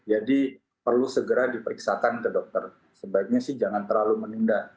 jadi perlu segera diperiksakan ke dokter sebaiknya sih jangan terlalu menunda